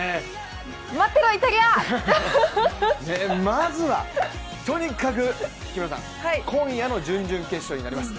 まずは、とにかく今夜の準々決勝になります。